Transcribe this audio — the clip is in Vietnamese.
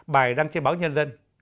bài đăng trên báo nhân dân